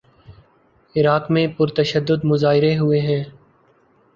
عراق میں پر تشدد مظاہرے ہوئے ہیں۔